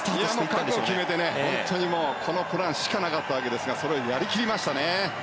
覚悟を決めてこのプランしかなかったわけですがそれをやり切りましたね。